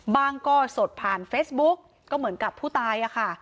ก็สดผ่านเฟซบุ๊กก็เหมือนกับผู้ตายอะค่ะ